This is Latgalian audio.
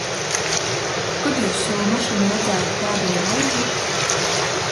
Kod jius sovu mašynu redzējot pādejū reizi?